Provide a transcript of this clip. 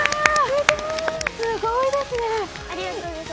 すごいですね。